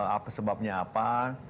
apa sebabnya apa